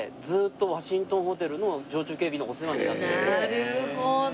なるほど！